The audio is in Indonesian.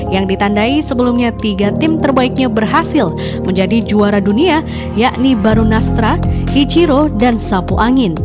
yang ditandai sebelumnya tiga tim terbaiknya berhasil menjadi juara dunia yakni barunastra hichiro dan sapu angin